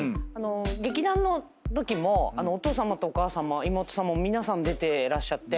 劇団のときもお父さまとお母さま妹さんも皆さん出てらっしゃって。